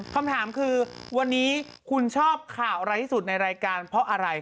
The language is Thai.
คำถามคือวันนี้คุณชอบข่าวร้ายที่สุดในรายการเพราะอะไร